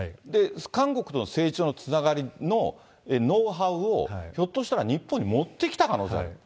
韓国の政治のつながりとのノウハウを、ひょっとしたら日本に持ってきた可能性がある。